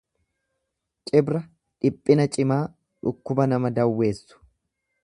Cibra dhiphina cimaa dhukkuba nama dawweessu.